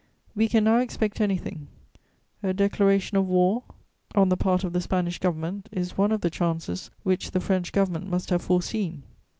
We can now expect anything: a declaration of war on the part of the Spanish Government is one of the chances which the French Government must have foreseen.